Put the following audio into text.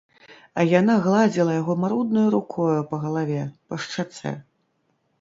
А яна гладзіла яго маруднаю рукою па галаве, па шчацэ.